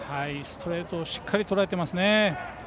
ストレートをしっかりとらえていますね。